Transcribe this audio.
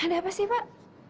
ada apa sih pak